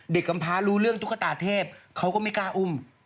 กำพารู้เรื่องตุ๊กตาเทพเขาก็ไม่กล้าอุ้ม